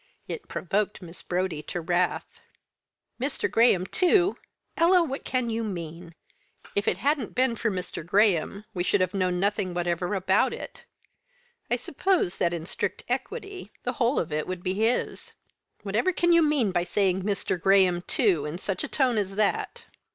It provoked Miss Brodie to wrath. "Mr. Graham too? Ella, what can you mean? If it hadn't been for Mr. Graham we should have known nothing whatever about it. I suppose that, in strict equity, the whole of it would be his. Whatever can you mean by saying 'Mr. Graham too?' in such a tone as that!"